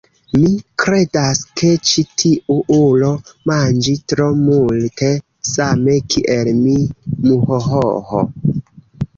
Mi kredas ke ĉi tiu ulo manĝi tro multe same kiel mi muhohoho